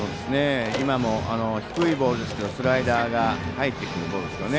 今も低いボールですけどスライダーが入ってくるボールですよね。